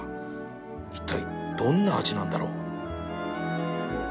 いったいどんな味なんだろう